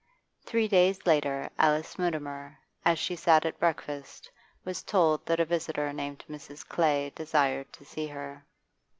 Three days later Alice Mutimer, as she sat at breakfast, was told that a visitor named Mrs. Clay desired to see her.